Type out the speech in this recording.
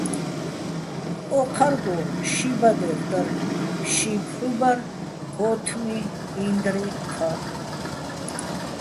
ო́ჴარგო ში ბადერ დარ, ში ფჰ̦უ ბარ, ქო́თმი, ინდრი, ჴა.